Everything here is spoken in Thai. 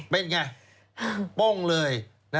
เป็นไงโป้งเลย